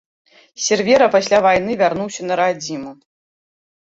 Сервера пасля вайны вярнуўся на радзіму.